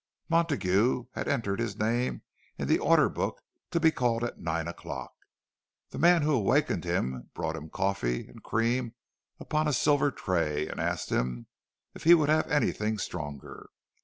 Montague had entered his name in the order book to be called at nine o'clock. The man who awakened him brought him coffee and cream upon a silver tray, and asked him if he would have anything stronger.